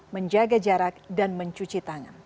menjaga jarak dan mencuci tangan